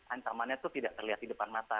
ancamannya itu tidak terlihat di depan mata